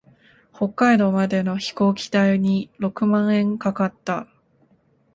北海道までの飛行機代に六万円かかった。